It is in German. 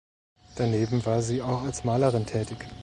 Daneben war sie auch als Malerin tätig.